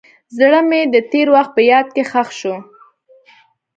زړه مې د تېر وخت په یاد کې ښخ شو.